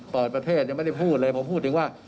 เปิดประเทศยังไม่ได้พูดเลยผมพูดถึงว่า